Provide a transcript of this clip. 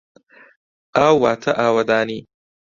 ئاو واتە ئاوەدانی.